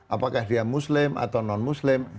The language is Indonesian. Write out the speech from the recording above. apakah dia muslim atau non muslim